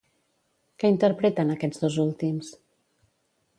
Què interpreten aquests dos últims?